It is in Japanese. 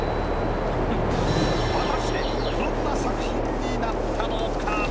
果たしてどんな作品になったのか？